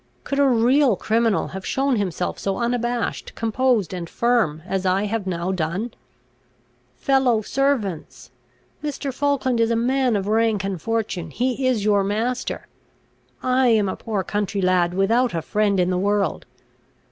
Could a real criminal have shown himself so unabashed, composed, and firm as I have now done? "Fellow servants! Mr. Falkland is a man of rank and fortune; he is your master. I am a poor country lad, without a friend in the world.